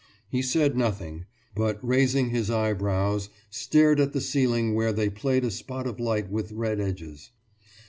He said nothing, but, raising his eyebrows, stared at the ceiling where there played a spot of light with red edges.